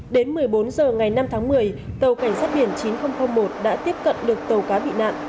đến một mươi bốn h ngày năm tháng một mươi tàu cảnh sát biển chín nghìn một đã tiếp cận được tàu cá bị nạn